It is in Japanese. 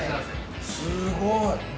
すごい！